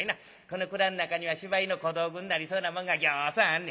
この蔵ん中には芝居の小道具になりそうなもんがぎょうさんあんねや。